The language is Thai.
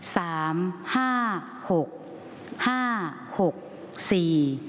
สามห้าหกห้าหกสี่